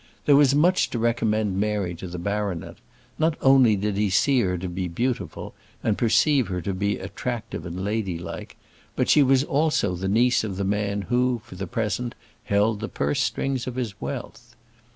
There was much to recommend Mary to the baronet; not only did he see her to be beautiful, and perceive her to be attractive and ladylike; but she was also the niece of the man who, for the present, held the purse strings of his wealth.